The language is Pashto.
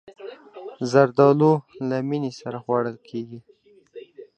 زردالو له مینې سره خوړل کېږي.